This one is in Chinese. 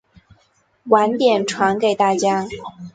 晚点传给大家